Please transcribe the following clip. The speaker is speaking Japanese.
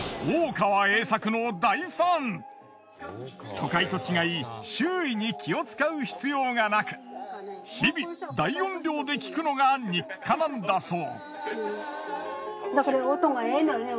都会と違い周囲に気を遣う必要がなく日々大音量で聴くのが日課なんだそう。